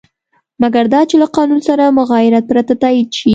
مګر دا چې له قانون سره مغایرت پرته تایید شي.